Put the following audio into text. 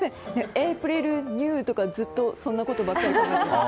エイプリル、ニューとかずっとそんなことばかり。